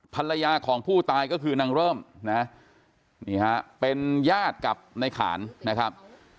ภรรยาของผู้ตายก็คือนางเริ่มนะนี่ฮะเป็นญาติกับในขานนะครับ